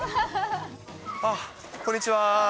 あっ、こんにちは。